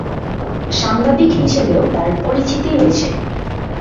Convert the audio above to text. সাংবাদিক হিসেবেও তার পরিচিতি রয়েছে।